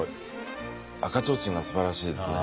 赤ちょうちんがすばらしいですね。